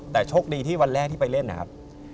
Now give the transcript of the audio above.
แต่โชคดีที่วันแรกที่ไปเล่นนะครับ